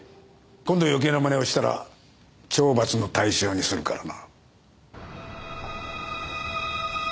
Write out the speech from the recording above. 今度余計なまねをしたら懲罰の対象にするからな。